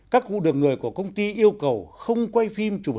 các cụ được người của công ty yêu cầu không quay phía trong khu vực này